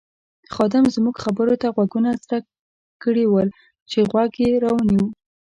خادم زموږ خبرو ته غوږونه څرک کړي ول چې غوږ یې را ونیو.